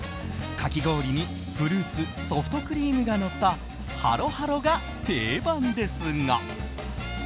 かき氷にフルーツソフトクリームがのったハロハロが定番ですが。